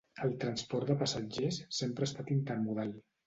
El transport de passatgers sempre ha estat intermodal.